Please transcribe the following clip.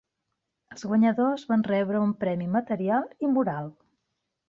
Els guanyadors van rebre un premi material i moral.